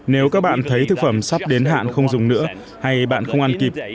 nếu các bạn thấy thực phẩm sắp đến hạn không dùng nữa hay bạn không ăn kịp